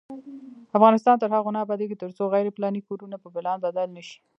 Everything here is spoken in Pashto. افغانستان تر هغو نه ابادیږي، ترڅو غیر پلاني کورونه په پلان بدل نشي.